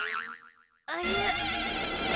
あれ？